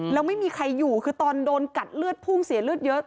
แล้วไม่มีใครอยู่คือตอนโดนกัดเลือดพุ่งเสียเลือดเยอะ